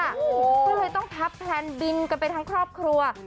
ก็เลยต้องพับแพลนบินกันไปทั้งครอบครัว